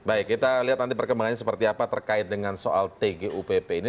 baik kita lihat nanti perkembangannya seperti apa terkait dengan soal tgupp ini